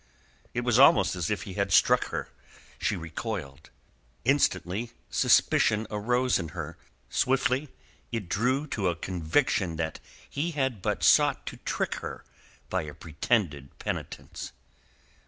It was almost as if he had struck her. She recoiled. Instantly suspicion awoke in her; swiftly it drew to a conviction that he had but sought to trick her by a pretended penitence.